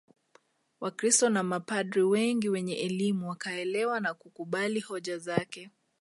Wakristo na mapadri wengi wenye elimu wakaelewa na kukubali hoja zake